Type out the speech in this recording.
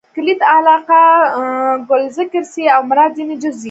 کلیت علاقه؛ کل ذکر سي او مراد ځني جز يي.